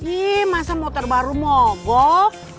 im masa motor baru mogok